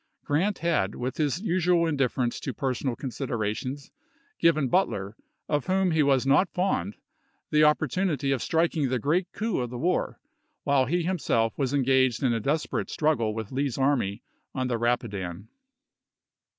Grant had, with his usual indifference to personal considerations, given Butler, of whom he was not fond, the oppor SPOTSYLVANIA AND COLD HARBOR 393 tunity of striking the great coup of the war, while ch.u'. xv. he himself was engaged in a desperate struggle with Lee's army on the Eapidan.